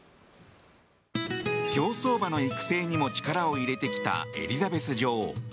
競走馬の育成にも力を入れてきたエリザベス女王。